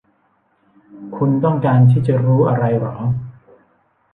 คุณต้องการที่จะรู้อะไรหรอ